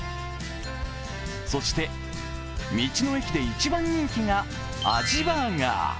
そして、道の駅で一番人気がアジバーガー。